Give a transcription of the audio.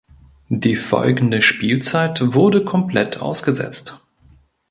Die folgende Spielzeit wurde komplett ausgesetzt.